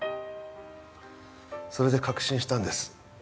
それで確信したんです。